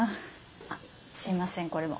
あっすいませんこれも。